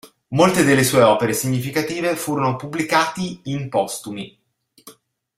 Molte delle sue opere significative furono pubblicati in postumi.